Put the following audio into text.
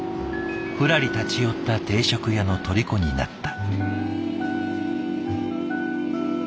ふらり立ち寄った定食屋のとりこになった。